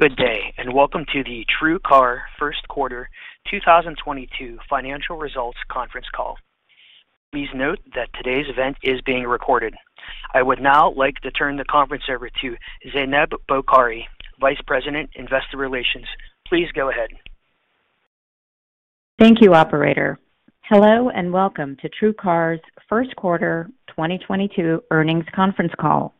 Good day, and welcome to the TrueCar first quarter 2022 financial results conference call. Please note that today's event is being recorded. I would now like to turn the conference over to Zaineb Bokhari, Vice President, Investor Relations. Please go ahead. Thank you, operator. Hello, and welcome to TrueCar's first quarter 2022 earnings conference call.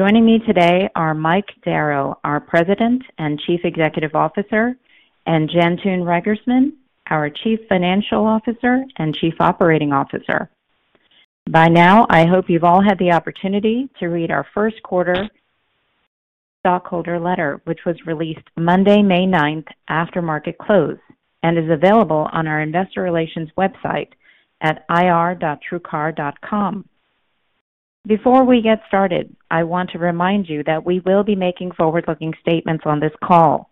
Joining me today are Mike Darrow, our President and Chief Executive Officer, and Jantoon Reigersman, our Chief Financial Officer and Chief Operating Officer. By now, I hope you've all had the opportunity to read our first quarter stockholder letter, which was released Monday, May 9th, after market close, and is available on our investor relations website at ir.truecar.com. Before we get started, I want to remind you that we will be making forward-looking statements on this call.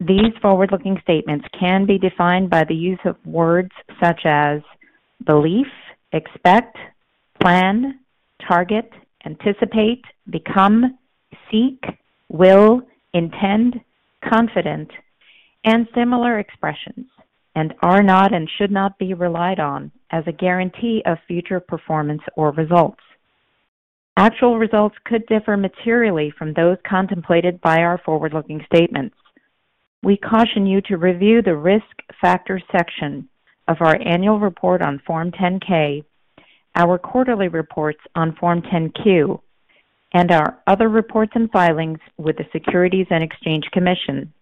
These forward-looking statements can be defined by the use of words such as belief, expect, plan, target, anticipate, become, seek, will, intend, confident, and similar expressions, and are not and should not be relied on as a guarantee of future performance or results. Actual results could differ materially from those contemplated by our forward-looking statements. We caution you to review the Risk Factors section of our Annual Report on Form 10-K, our quarterly reports on Form 10-Q, and our other reports and filings with the Securities and Exchange Commission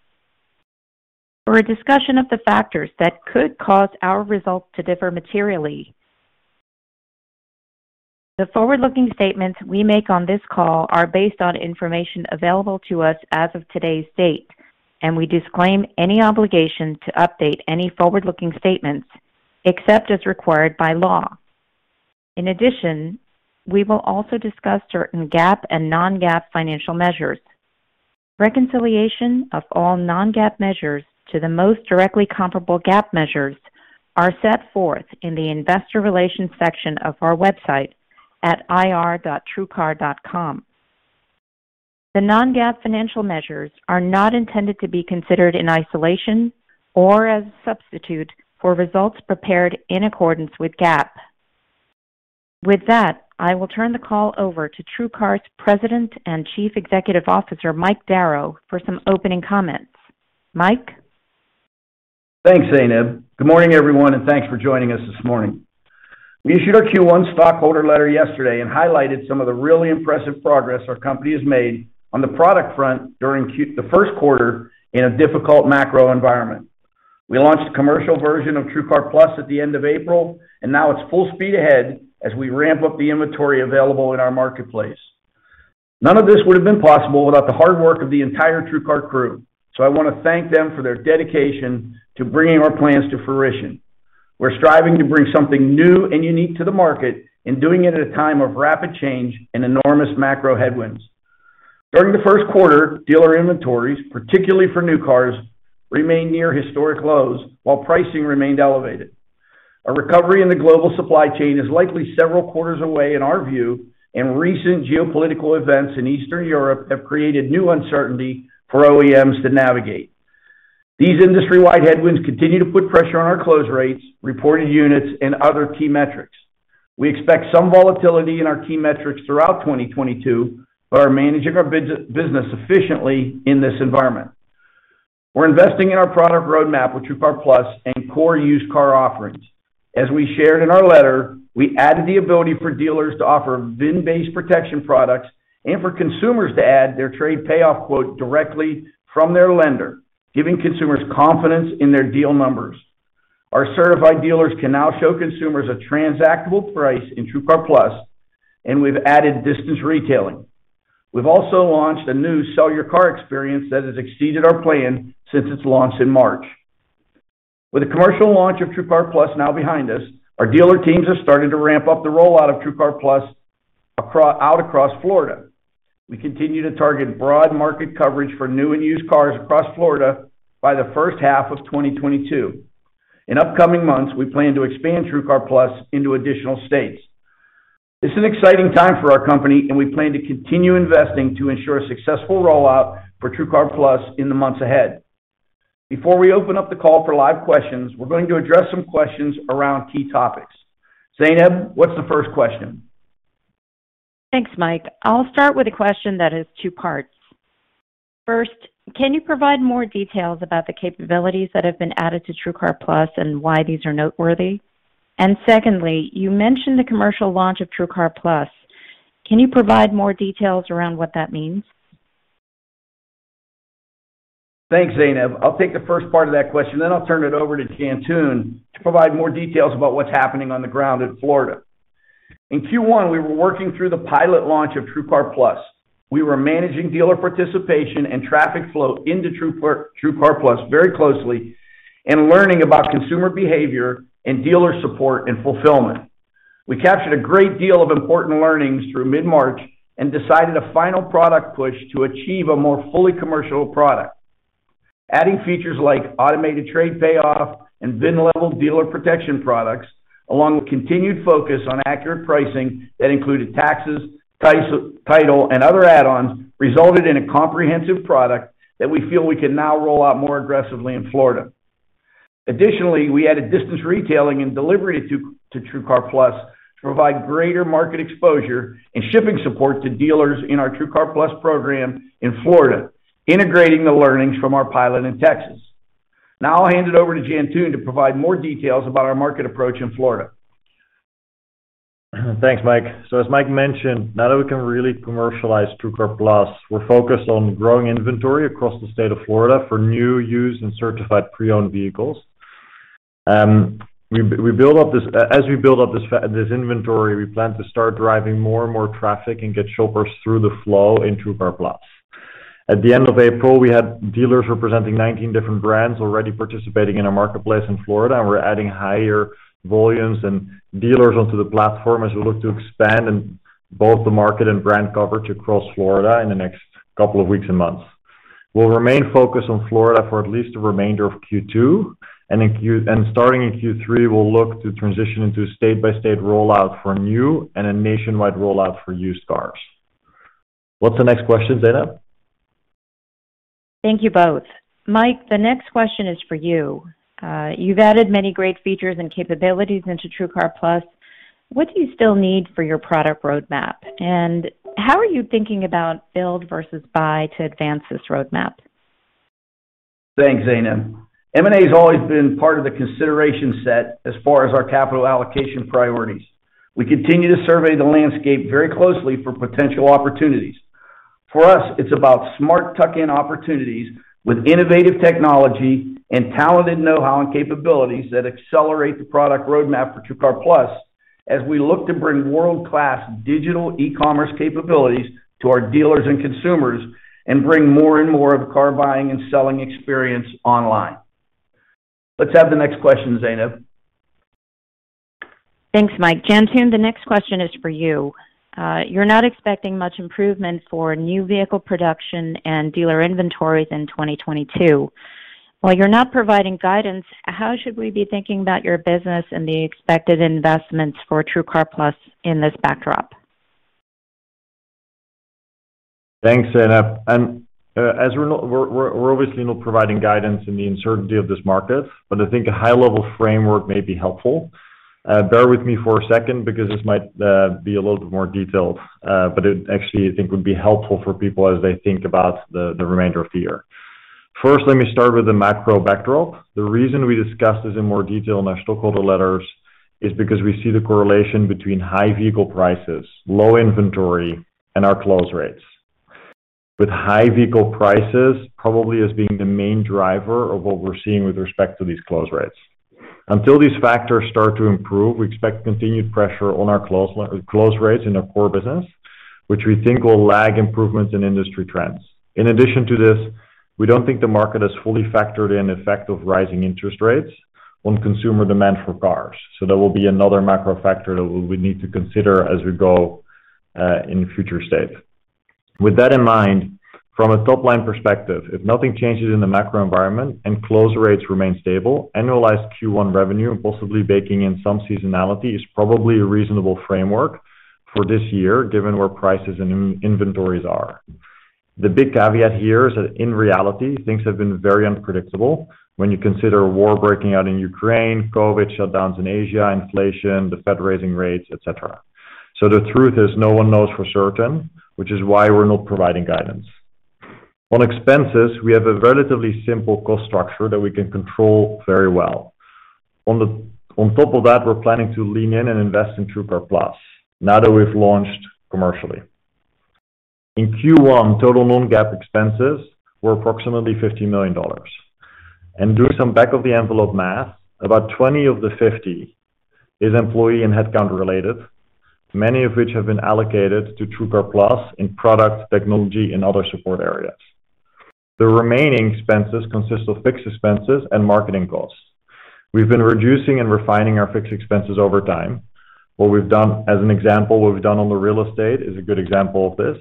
for a discussion of the factors that could cause our results to differ materially. The forward-looking statements we make on this call are based on information available to us as of today's date, and we disclaim any obligation to update any forward-looking statements except as required by law. In addition, we will also discuss certain GAAP and non-GAAP financial measures. Reconciliation of all non-GAAP measures to the most directly comparable GAAP measures are set forth in the Investor Relations section of our website at ir.truecar.com. The non-GAAP financial measures are not intended to be considered in isolation or as a substitute for results prepared in accordance with GAAP. With that, I will turn the call over to TrueCar's President and Chief Executive Officer, Mike Darrow, for some opening comments. Mike? Thanks, Zaineb. Good morning, everyone, and thanks for joining us this morning. We issued our Q1 stockholder letter yesterday and highlighted some of the really impressive progress our company has made on the product front during the first quarter in a difficult macro environment. We launched the commercial version of TrueCar+ at the end of April, and now it's full speed ahead as we ramp up the inventory available in our marketplace. None of this would have been possible without the hard work of the entire TrueCar crew, so I wanna thank them for their dedication to bringing our plans to fruition. We're striving to bring something new and unique to the market and doing it at a time of rapid change and enormous macro headwinds. During the first quarter, dealer inventories, particularly for new cars, remained near historic lows while pricing remained elevated. A recovery in the global supply chain is likely several quarters away in our view, and recent geopolitical events in Eastern Europe have created new uncertainty for OEMs to navigate. These industry-wide headwinds continue to put pressure on our close rates, reported units, and other key metrics. We expect some volatility in our key metrics throughout 2022, but are managing our business efficiently in this environment. We're investing in our product roadmap with TrueCar+ and core used car offerings. As we shared in our letter, we added the ability for dealers to offer VIN-based protection products and for consumers to add their trade payoff quote directly from their lender, giving consumers confidence in their deal numbers. Our certified dealers can now show consumers a transactable price in TrueCar+, and we've added distance retailing. We've also launched a new Sell Your Car experience that has exceeded our plan since its launch in March. With the commercial launch of TrueCar+ now behind us, our dealer teams have started to ramp up the rollout of TrueCar+ across Florida. We continue to target broad market coverage for new and used cars across Florida by the first half of 2022. In upcoming months, we plan to expand TrueCar+ into additional states. It's an exciting time for our company, and we plan to continue investing to ensure a successful rollout for TrueCar+ in the months ahead. Before we open up the call for live questions, we're going to address some questions around key topics. Zaineb, what's the first question? Thanks, Mike. I'll start with a question that has two parts. First, can you provide more details about the capabilities that have been added to TrueCar+ and why these are noteworthy? Secondly, you mentioned the commercial launch of TrueCar+. Can you provide more details around what that means? Thanks, Zaineb. I'll take the first part of that question, then I'll turn it over to Jantoon to provide more details about what's happening on the ground in Florida. In Q1, we were working through the pilot launch of TrueCar+. We were managing dealer participation and traffic flow into TrueCar+ very closely and learning about consumer behavior and dealer support and fulfillment. We captured a great deal of important learnings through mid-March and decided a final product push to achieve a more fully commercial product. Adding features like automated trade payoff and VIN-level dealer protection products, along with continued focus on accurate pricing that included taxes, title, and other add-ons, resulted in a comprehensive product that we feel we can now roll out more aggressively in Florida. Additionally, we added distance retailing and delivery to TrueCar+ to provide greater market exposure and shipping support to dealers in our TrueCar+ program in Florida, integrating the learnings from our pilot in Texas. Now I'll hand it over to Jantoon to provide more details about our market approach in Florida. Thanks, Mike. As Mike mentioned, now that we can really commercialize TrueCar+, we're focused on growing inventory across the state of Florida for new, used, and Certified Pre-Owned vehicles. As we build up this inventory, we plan to start driving more and more traffic and get shoppers through the flow in TrueCar+. At the end of April, we had dealers representing 19 different brands already participating in our marketplace in Florida, and we're adding higher volumes and dealers onto the platform as we look to expand in both the market and brand coverage across Florida in the next couple of weeks and months. We'll remain focused on Florida for at least the remainder of Q2, and starting in Q3, we'll look to transition into state-by-state rollout for new and a nationwide rollout for used cars. What's the next question, Zaineb? Thank you both. Mike, the next question is for you. You've added many great features and capabilities into TrueCar+. What do you still need for your product roadmap? How are you thinking about build versus buy to advance this roadmap? Thanks, Zaineb. M&A's always been part of the consideration set as far as our capital allocation priorities. We continue to survey the landscape very closely for potential opportunities. For us, it's about smart tuck-in opportunities with innovative technology and talented know-how and capabilities that accelerate the product roadmap for TrueCar+, as we look to bring world-class digital e-commerce capabilities to our dealers and consumers and bring more and more of the car buying and selling experience online. Let's have the next question, Zaineb. Thanks, Mike. Jantoon, the next question is for you. You're not expecting much improvement for new vehicle production and dealer inventories in 2022. While you're not providing guidance, how should we be thinking about your business and the expected investments for TrueCar+ in this backdrop? Thanks, Zaineb. As we're obviously not providing guidance in the uncertainty of this market, but I think a high level framework may be helpful. Bear with me for a second because this might be a little bit more detailed, but it actually I think would be helpful for people as they think about the remainder of the year. First, let me start with the macro backdrop. The reason we discussed this in more detail in our stockholder letters is because we see the correlation between high vehicle prices, low inventory, and our close rates, with high vehicle prices probably as being the main driver of what we're seeing with respect to these close rates. Until these factors start to improve, we expect continued pressure on our close rates in our core business, which we think will lag improvements in industry trends. In addition to this, we don't think the market has fully factored in the effect of rising interest rates on consumer demand for cars. That will be another macro factor that we would need to consider as we go, in future states. With that in mind, from a top line perspective, if nothing changes in the macro environment and close rates remain stable, annualized Q1 revenue, and possibly baking in some seasonality, is probably a reasonable framework for this year given where prices and inventories are. The big caveat here is that in reality, things have been very unpredictable when you consider war breaking out in Ukraine, COVID shutdowns in Asia, inflation, the Fed raising rates, et cetera. The truth is no one knows for certain, which is why we're not providing guidance. On expenses, we have a relatively simple cost structure that we can control very well. On top of that, we're planning to lean in and invest in TrueCar+ now that we've launched commercially. In Q1, total non-GAAP expenses were approximately $50 million. Doing some back of the envelope math, about 20 of the 50 is employee and headcount related, many of which have been allocated to TrueCar+ in product technology and other support areas. The remaining expenses consist of fixed expenses and marketing costs. We've been reducing and refining our fixed expenses over time. What we've done, as an example, on the real estate is a good example of this,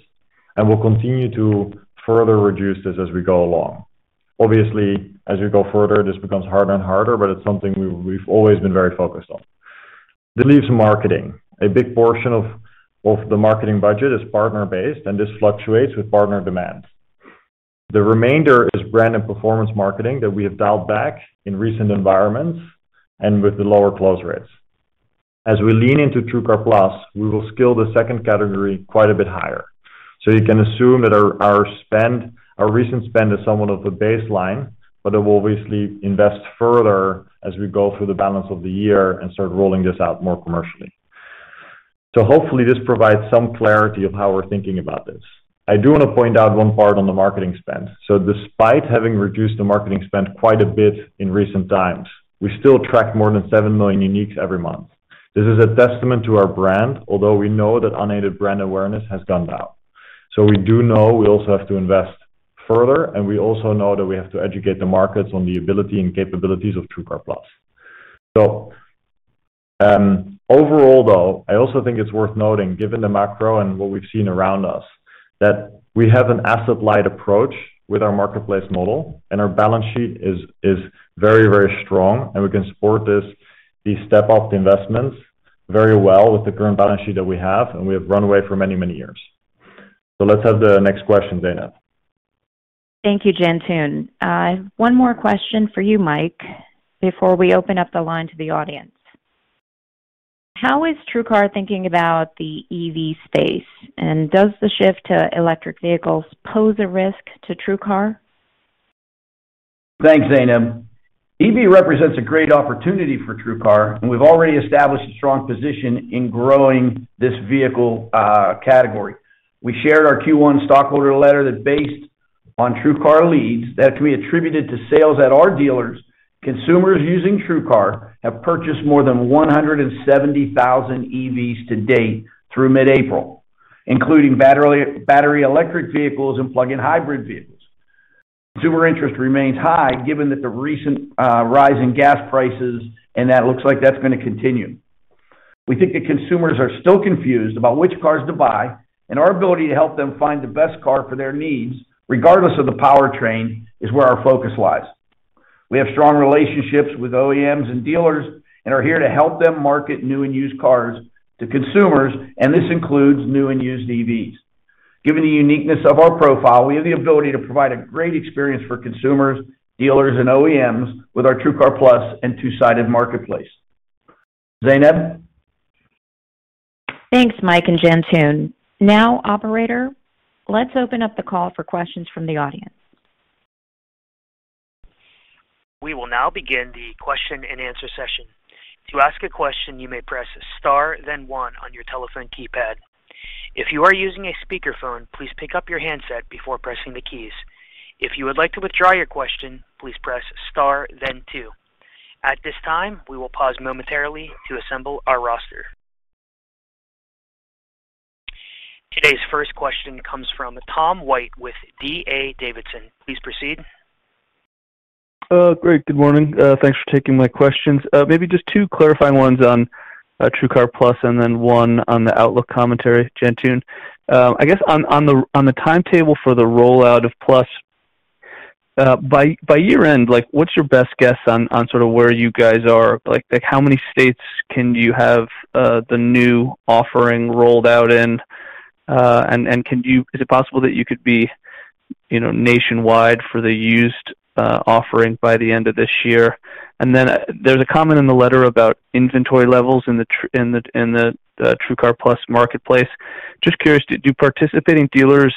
and we'll continue to further reduce this as we go along. Obviously, as you go further, this becomes harder and harder, but it's something we've always been very focused on. That leaves marketing. A big portion of the marketing budget is partner-based, and this fluctuates with partner demand. The remainder is brand and performance marketing that we have dialed back in recent environments and with the lower close rates. As we lean into TrueCar+, we will scale the second category quite a bit higher. You can assume that our spend, our recent spend is somewhat of a baseline, but then we'll obviously invest further as we go through the balance of the year and start rolling this out more commercially. Hopefully this provides some clarity of how we're thinking about this. I do want to point out one part on the marketing spend. Despite having reduced the marketing spend quite a bit in recent times, we still attract more than 7 million uniques every month. This is a testament to our brand, although we know that unaided brand awareness has gone down. We do know we also have to invest further, and we also know that we have to educate the markets on the ability and capabilities of TrueCar+. Overall though, I also think it's worth noting, given the macro and what we've seen around us, that we have an asset-light approach with our marketplace model, and our balance sheet is very, very strong, and we can support this, the step up investments very well with the current balance sheet that we have, and we have runway for many, many years. Let's have the next question, Zainab. Thank you, Jantoon. One more question for you, Mike, before we open up the line to the audience. How is TrueCar thinking about the EV space, and does the shift to electric vehicles pose a risk to TrueCar? Thanks, Zaineb. EV represents a great opportunity for TrueCar, and we've already established a strong position in growing this vehicle category. We shared our Q1 shareholder letter that based on TrueCar leads that can be attributed to sales at our dealers. Consumers using TrueCar have purchased more than 170,000 EVs to date through mid-April, including battery electric vehicles and plug-in hybrid vehicles. Consumer interest remains high given that the recent rise in gas prices, and that looks like that's gonna continue. We think that consumers are still confused about which cars to buy, and our ability to help them find the best car for their needs, regardless of the powertrain, is where our focus lies. We have strong relationships with OEMs and dealers and are here to help them market new and used cars to consumers, and this includes new and used EVs. Given the uniqueness of our profile, we have the ability to provide a great experience for consumers, dealers, and OEMs with our TrueCar+ and two-sided marketplace. Zaineb. Thanks, Mike and Jantoon. Now, operator, let's open up the call for questions from the audience. We will now begin the question-and-answer session. To ask a question, you may press star then one on your telephone keypad. If you are using a speakerphone, please pick up your handset before pressing the keys. If you would like to withdraw your question, please press star then two. At this time, we will pause momentarily to assemble our roster. Today's first question comes from Tom White with D.A. Davidson. Please proceed. Great. Good morning. Thanks for taking my questions. Maybe just two clarifying ones on TrueCar+ and then one on the outlook commentary, Jantoon. I guess on the timetable for the rollout of TrueCar+, by year-end, like, what's your best guess on sort of where you guys are? Like, how many states can you have the new offering rolled out in? And can you? Is it possible that you could be, you know, nationwide for the used offering by the end of this year? Then there's a comment in the letter about inventory levels in the TrueCar+ marketplace. Just curious, do participating dealers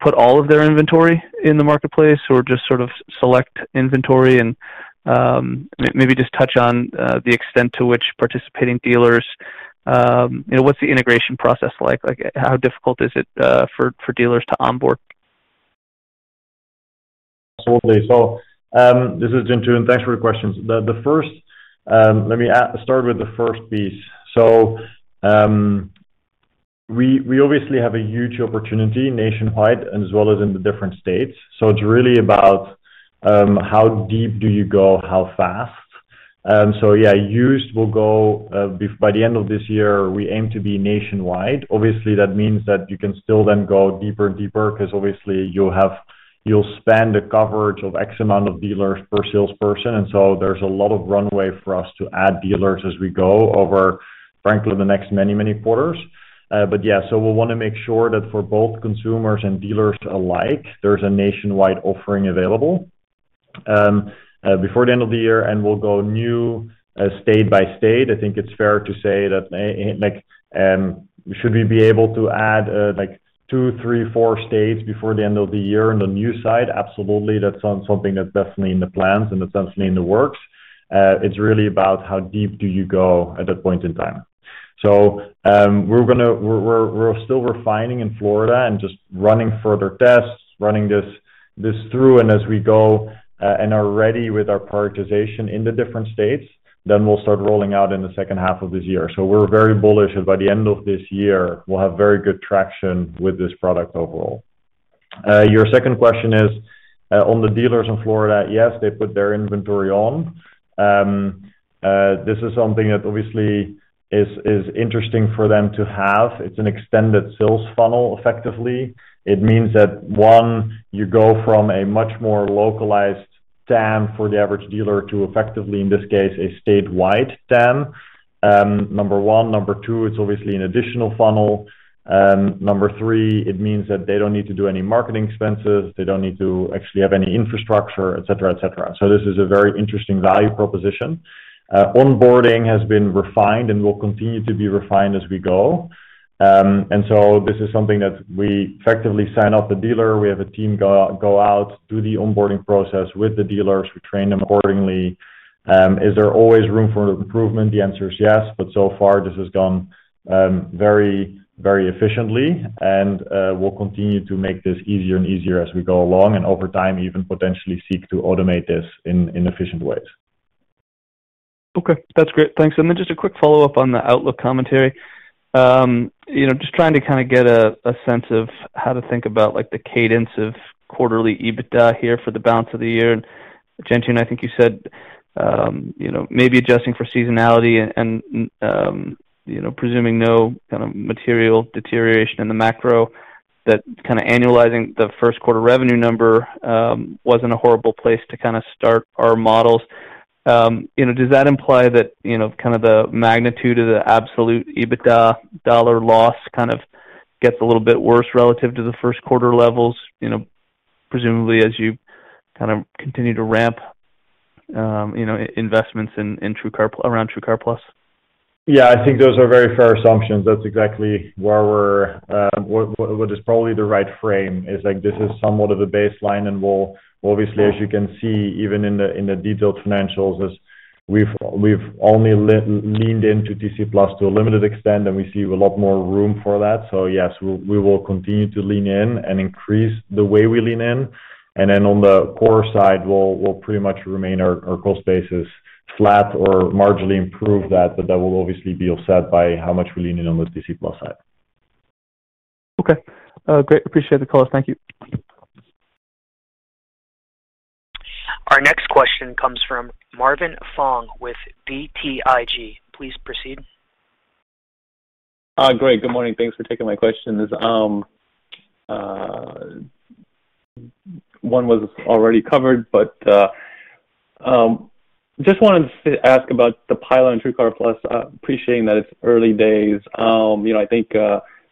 put all of their inventory in the marketplace or just sort of select inventory and maybe just touch on the extent to which participating dealers you know what's the integration process like? Like, how difficult is it for dealers to onboard? Absolutely. This is Jantoon. Thanks for the questions. Let me start with the first piece. We obviously have a huge opportunity nationwide and as well as in the different states. It's really about how deep do you go, how fast. Yeah, used will go by the end of this year, we aim to be nationwide. Obviously, that means that you can still then go deeper and deeper 'cause obviously you'll span the coverage of X amount of dealers per salesperson, and so there's a lot of runway for us to add dealers as we go over, frankly, the next many quarters. Yeah, we'll wanna make sure that for both consumers and dealers alike, there's a nationwide offering available before the end of the year, and we'll go new state by state. I think it's fair to say that like should we be able to add like two, three, four states before the end of the year on the new side? Absolutely. That's something that's definitely in the plans and that's definitely in the works. It's really about how deep do you go at that point in time. We're gonna. We're still refining in Florida and just running further tests, running this through, and as we go and are ready with our prioritization in the different states, then we'll start rolling out in the second half of this year. We're very bullish that by the end of this year, we'll have very good traction with this product overall. Your second question is on the dealers in Florida. Yes, they put their inventory on. This is something that obviously is interesting for them to have. It's an extended sales funnel, effectively. It means that, one, you go from a much more localized TAM for the average dealer to effectively, in this case, a statewide TAM, number one. Number two, it's obviously an additional funnel. Number three, it means that they don't need to do any marketing expenses. They don't need to actually have any infrastructure, et cetera, et cetera. This is a very interesting value proposition. Onboarding has been refined and will continue to be refined as we go. This is something that we effectively sign up the dealer. We have a team go out, do the onboarding process with the dealers. We train them accordingly. Is there always room for improvement? The answer is yes. So far this has gone very efficiently and we'll continue to make this easier and easier as we go along, and over time, even potentially seek to automate this in efficient ways. Okay. That's great. Thanks. Just a quick follow-up on the outlook commentary. You know, just trying to kind of get a sense of how to think about like the cadence of quarterly EBITDA here for the balance of the year. Jantoon, I think you said, you know, maybe adjusting for seasonality and, you know, presuming no kind of material deterioration in the macro, that kind of annualizing the first quarter revenue number wasn't a horrible place to kind of start our models. You know, does that imply that, you know, kind of the magnitude of the absolute EBITDA dollar loss kind of gets a little bit worse relative to the first quarter levels, you know, presumably as you kind of continue to ramp, you know, investments in, around TrueCar+? Yeah, I think those are very fair assumptions. That's exactly where we're. What is probably the right frame is like this is somewhat of a baseline, and we'll obviously, as you can see even in the detailed financials, we've only leaned into TrueCar+ to a limited extent, and we see a lot more room for that. Yes, we will continue to lean in and increase the way we lean in, and then on the core side, we'll pretty much remain our cost base is flat or marginally improve that, but that will obviously be offset by how much we lean in on the TrueCar+ side. Okay. Great. Appreciate the color. Thank you. Our next question comes from Marvin Fong with BTIG. Please proceed. Great. Good morning. Thanks for taking my questions. One was already covered, but just wanted to ask about the pilot in TrueCar+. Appreciating that it's early days. You know, I think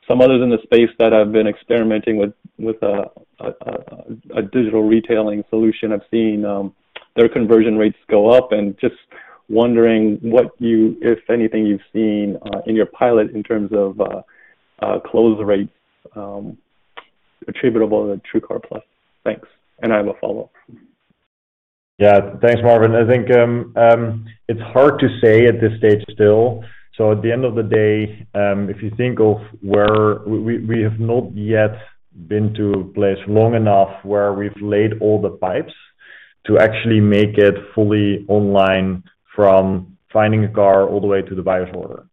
some others in the space that have been experimenting with a digital retailing solution have seen their conversion rates go up and just wondering what you, if anything, you've seen in your pilot in terms of close rates attributable to TrueCar+. Thanks. I have a follow-up. Yeah. Thanks, Marvin. I think it's hard to say at this stage still. At the end of the day, if you think of where we have not yet been to a place long enough where we've laid all the pipes to actually make it fully online from finding a car all the way to the buyer's order.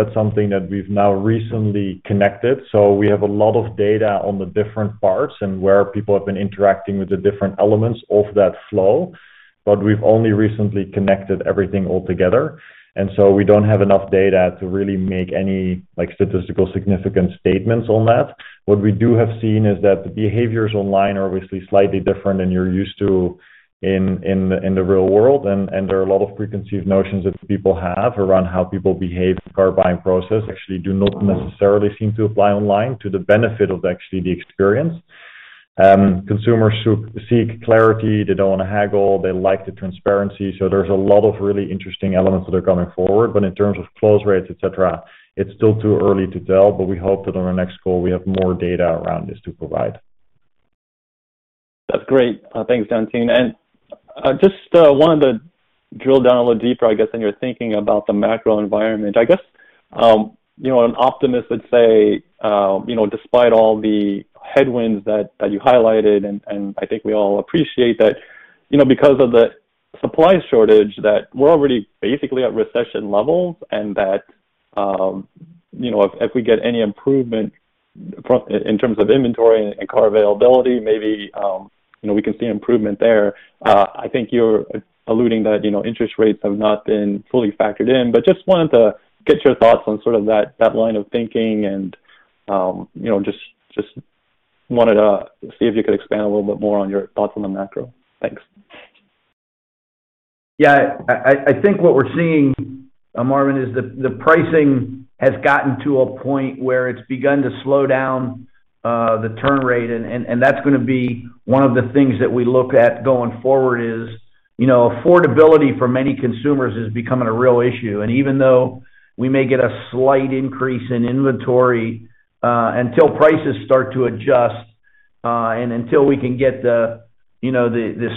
That's something that we've now recently connected. We have a lot of data on the different parts and where people have been interacting with the different elements of that flow, but we've only recently connected everything all together. We don't have enough data to really make any, like, statistically significant statements on that. What we do have seen is that the behaviors online are obviously slightly different than you're used to in the real world, and there are a lot of preconceived notions that people have around how people behave in the car buying process actually do not necessarily seem to apply online to the benefit of actually the experience. Consumers seek clarity. They don't wanna haggle. They like the transparency. There's a lot of really interesting elements that are coming forward. In terms of close rates, et cetera, it's still too early to tell, but we hope that on our next call we have more data around this to provide. That's great. Thanks, Jantoon. Just wanted to drill down a little deeper, I guess, on your thinking about the macro environment. I guess you know, an optimist would say you know, despite all the headwinds that you highlighted, and I think we all appreciate that, you know, because of the supply shortage, that we're already basically at recession levels and that you know, if we get any improvement in terms of inventory and car availability, maybe you know, we can see improvement there. I think you're alluding that you know, interest rates have not been fully factored in. Just wanted to get your thoughts on sort of that line of thinking and you know, just wanted to see if you could expand a little bit more on your thoughts on the macro. Thanks. Yeah. I think what we're seeing, Marvin, is the pricing has gotten to a point where it's begun to slow down the turn rate, and that's gonna be one of the things that we look at going forward. You know, affordability for many consumers is becoming a real issue. Even though we may get a slight increase in inventory, until prices start to adjust and until we can get the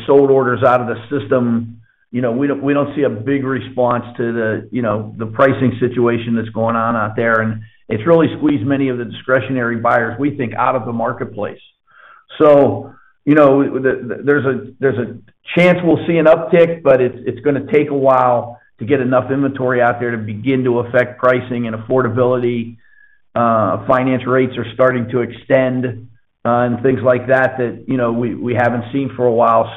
sold orders out of the system, you know, we don't see a big response to the pricing situation that's going on out there. It's really squeezed many of the discretionary buyers, we think, out of the marketplace. You know, there's a chance we'll see an uptick, but it's gonna take a while to get enough inventory out there to begin to affect pricing and affordability. Finance rates are starting to extend, and things like that, you know, we haven't seen for a while.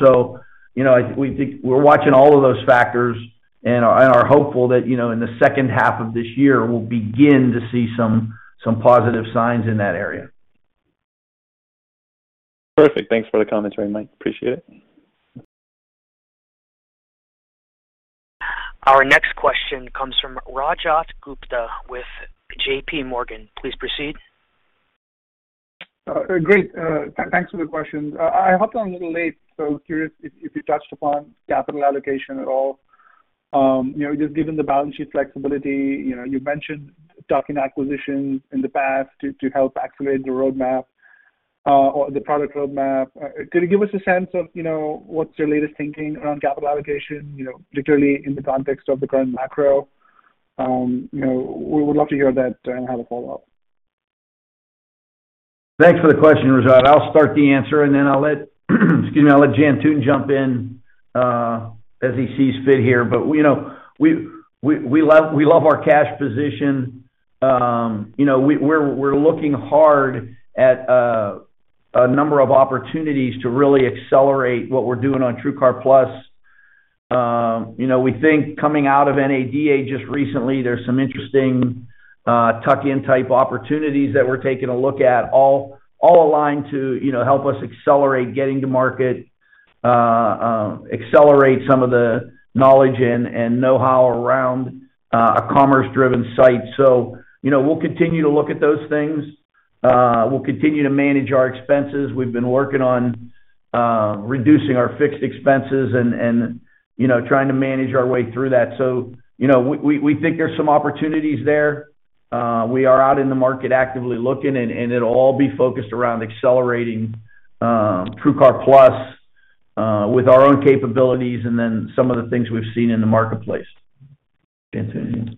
You know, we're watching all of those factors and are hopeful that, you know, in the second half of this year, we'll begin to see some positive signs in that area. Perfect. Thanks for the commentary, Mike. Appreciate it. Our next question comes from Rajat Gupta with JPMorgan. Please proceed. Great. Thanks for the question. I hopped on a little late, so curious if you touched upon capital allocation at all. You know, just given the balance sheet flexibility, you know, you've mentioned taking acquisitions in the past to help accelerate the roadmap, or the product roadmap. Could you give us a sense of, you know, what's your latest thinking around capital allocation, you know, particularly in the context of the current macro? You know, we would love to hear that and have a follow-up. Thanks for the question, Rajat. I'll start the answer, and then I'll let Jantoon jump in as he sees fit here. You know, we love our cash position. You know, we're looking hard at a number of opportunities to really accelerate what we're doing on TrueCar+. You know, we think coming out of NADA just recently, there's some interesting tuck-in type opportunities that we're taking a look at, all aligned to you know, help us accelerate getting to market, accelerate some of the knowledge and know-how around a commerce-driven site. You know, we'll continue to look at those things. We'll continue to manage our expenses. We've been working on reducing our fixed expenses and you know, trying to manage our way through that. You know, we think there's some opportunities there. We are out in the market actively looking, and it'll all be focused around accelerating TrueCar+ with our own capabilities and then some of the things we've seen in the marketplace. Jantoon?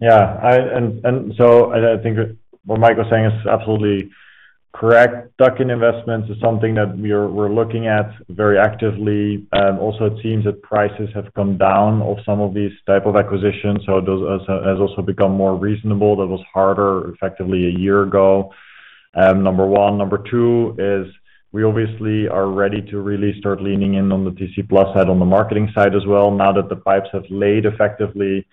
I think what Mike was saying is absolutely correct. Tuck-in investments is something that we're looking at very actively. Also it seems that prices have come down on some of these type of acquisitions, so those has also become more reasonable. That was harder effectively a year ago, number one. Number two is we obviously are ready to really start leaning in on the TrueCar+ side, on the marketing side as well. Now that the pipes have laid effectively,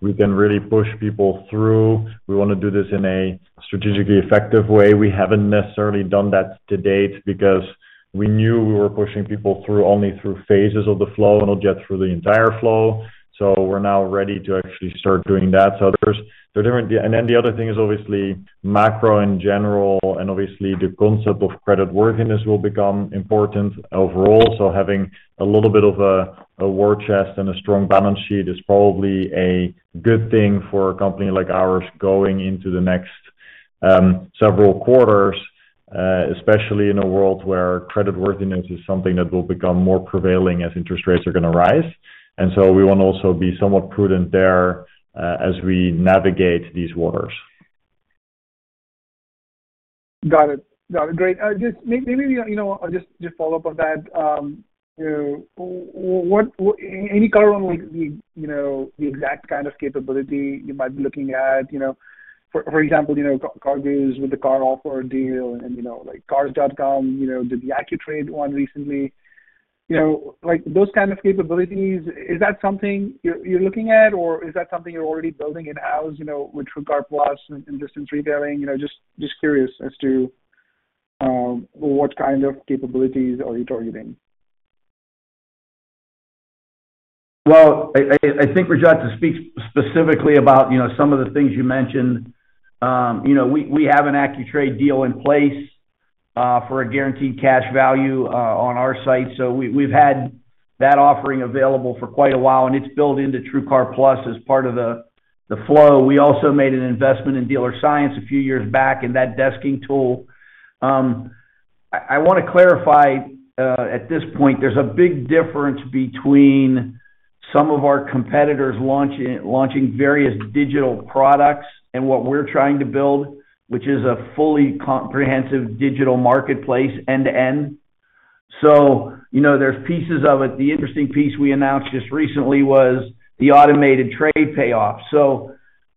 we can really push people through. We wanna do this in a strategically effective way. We haven't necessarily done that to date because we knew we were pushing people through only through phases of the flow and not yet through the entire flow. We're now ready to actually start doing that. There are different. The other thing is obviously macro in general, and obviously the concept of creditworthiness will become important overall. Having a little bit of a war chest and a strong balance sheet is probably a good thing for a company like ours going into the next several quarters, especially in a world where creditworthiness is something that will become more prevailing as interest rates are gonna rise. We wanna also be somewhat prudent there, as we navigate these waters. Got it. Great. Just maybe, you know, just follow up on that. You know, any color on like the, you know, the exact kind of capability you might be looking at, you know. For example, you know, CarGurus with the CarOffer deal and, you know, like Cars.com, you know, did the Accu-Trade one recently. You know, like those kind of capabilities, is that something you're looking at or is that something you're already building in-house, you know, with TrueCar+ and distance retailing? You know, just curious as to what kind of capabilities are you targeting? Well, I think, Rajat, to speak specifically about, you know, some of the things you mentioned, you know, we have an Accu-Trade deal in place for a guaranteed cash value on our site. We've had that offering available for quite a while, and it's built into TrueCar+ as part of the flow. We also made an investment in Dealer Science a few years back in that desking tool. I wanna clarify, at this point, there's a big difference between some of our competitors launching various digital products and what we're trying to build, which is a fully comprehensive digital marketplace end-to-end. You know, there's pieces of it. The interesting piece we announced just recently was the automated trade payoff.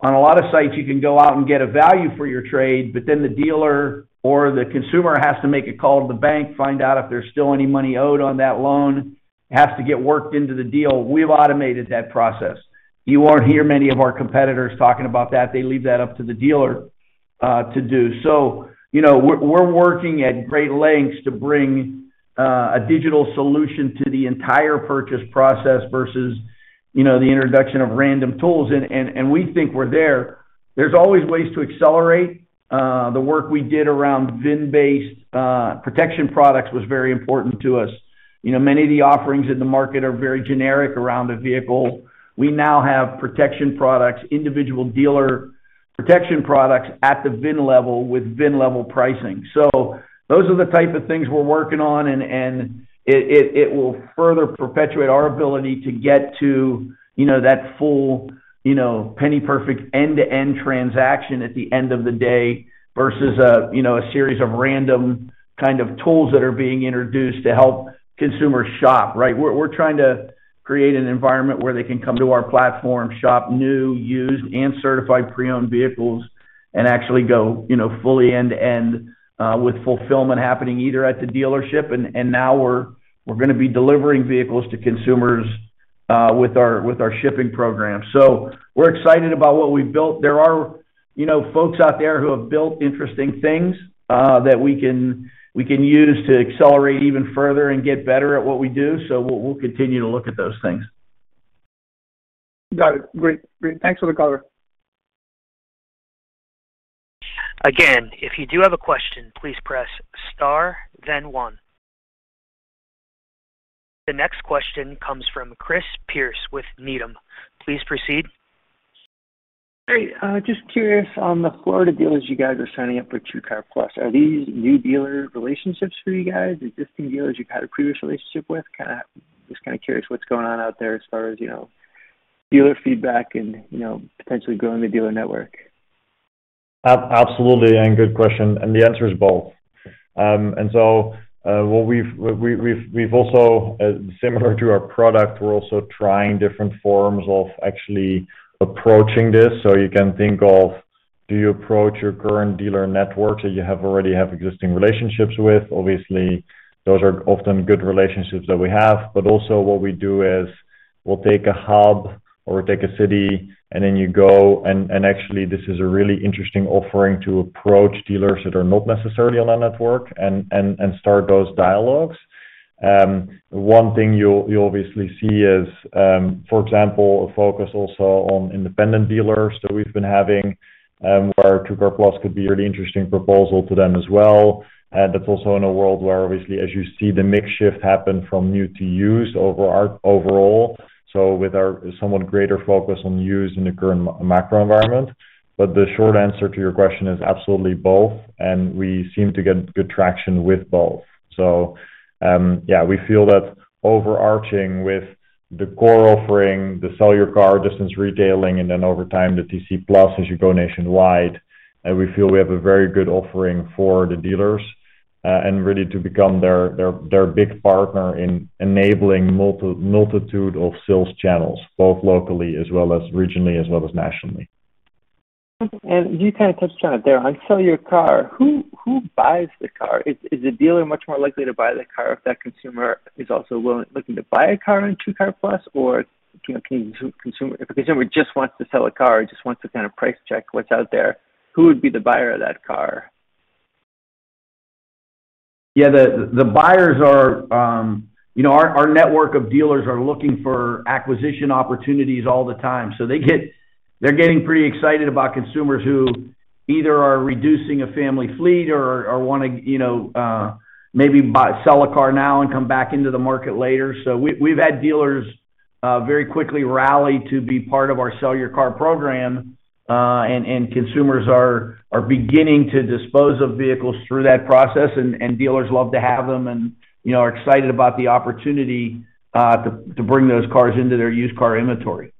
On a lot of sites, you can go out and get a value for your trade, but then the dealer or the consumer has to make a call to the bank, find out if there's still any money owed on that loan. It has to get worked into the deal. We've automated that process. You won't hear many of our competitors talking about that. They leave that up to the dealer, to do. You know, we're working at great lengths to bring a digital solution to the entire purchase process versus, you know, the introduction of random tools. And we think we're there. There's always ways to accelerate. The work we did around VIN-based protection products was very important to us. You know, many of the offerings in the market are very generic around a vehicle. We now have protection products, individual dealer protection products at the VIN level with VIN-level pricing. So those are the type of things we're working on and it will further perpetuate our ability to get to, you know, that full, you know, penny perfect end-to-end transaction at the end of the day versus a, you know, a series of random kind of tools that are being introduced to help consumers shop, right? We're trying to create an environment where they can come to our platform, shop new, used, and Certified Pre-Owned vehicles, and actually go, you know, fully end-to-end with fulfillment happening either at the dealership. Now we're gonna be delivering vehicles to consumers with our shipping program. So we're excited about what we've built. There are, you know, folks out there who have built interesting things that we can use to accelerate even further and get better at what we do. We'll continue to look at those things. Got it. Great. Thanks for the color. Again, if you do have a question, please press star then one. The next question comes from Chris Pierce with Needham. Please proceed. Hey. Just curious on the Florida dealers you guys are signing up with TrueCar+. Are these new dealer relationships for you guys, existing dealers you've had a previous relationship with? Just kinda curious what's going on out there as far as, you know. Dealer feedback and, you know, potentially growing the dealer network. Absolutely, good question, and the answer is both. What we've also, similar to our product, we're also trying different forms of actually approaching this. You can think of do you approach your current dealer networks that you already have existing relationships with? Obviously, those are often good relationships that we have, but also what we do is we'll take a hub or take a city and then you go, and actually this is a really interesting offering to approach dealers that are not necessarily on our network and start those dialogues. One thing you'll obviously see is, for example, a focus also on independent dealers that we've been having, where TrueCar+ could be a really interesting proposal to them as well. That's also in a world where obviously as you see the mix shift happen from new to used over our overall, so with our somewhat greater focus on used in the current macro environment. The short answer to your question is absolutely both, and we seem to get good traction with both. Yeah, we feel that overarching with the core offering, the Sell Your Car distance retailing, and then over time, the TrueCar+ as you go nationwide, we feel we have a very good offering for the dealers, and really to become their big partner in enabling multitude of sales channels, both locally as well as regionally, as well as nationally. You kinda touched on it there. On Sell Your Car, who buys the car? Is the dealer much more likely to buy the car if that consumer is also looking to buy a car in TrueCar+? Or, you know, if a consumer just wants to sell a car or just wants to kinda price check what's out there, who would be the buyer of that car? Yeah. The buyers are, you know, our network of dealers are looking for acquisition opportunities all the time. They're getting pretty excited about consumers who either are reducing a family fleet or wanna, you know, maybe sell a car now and come back into the market later. We've had dealers very quickly rally to be part of our Sell Your Car program, and consumers are beginning to dispose of vehicles through that process and dealers love to have them and, you know, are excited about the opportunity to bring those cars into their used car inventory.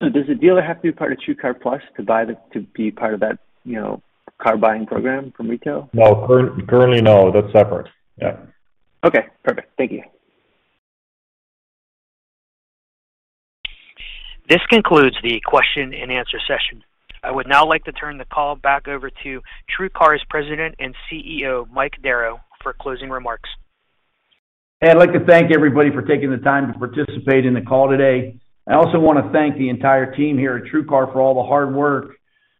Does the dealer have to be part of TrueCar+ to be part of that, you know, car buying program from retail? No. Currently, no. That's separate. Yeah. Okay. Perfect. Thank you. This concludes the question and answer session. I would now like to turn the call back over to TrueCar's President and CEO, Mike Darrow for closing remarks. Hey, I'd like to thank everybody for taking the time to participate in the call today. I also wanna thank the entire team here at TrueCar for all the hard work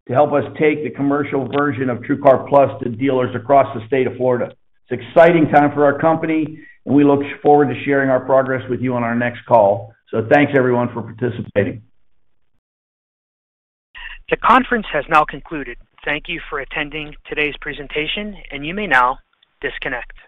to help us take the commercial version of TrueCar+ to dealers across the state of Florida. It's exciting time for our company, and we look forward to sharing our progress with you on our next call. Thanks everyone for participating. The conference has now concluded. Thank you for attending today's presentation, and you may now disconnect.